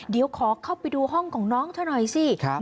เดี๋ยวขอเข้าไปดูห้องของน้องเธอหน่อยสิ